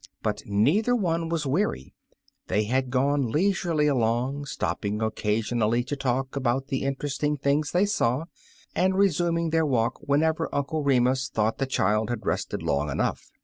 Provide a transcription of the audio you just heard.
But neither one was weary; they had gone leisurely along^ stopping occasionally to talk about the in teresting things they saw, and resuming their walk whenever Uncle Remus thought the child had rested long enough.